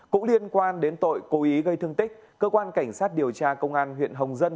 cũng liên quan đến tội cố ý gây thương tích cơ quan cảnh sát điều tra công an huyện hồng dân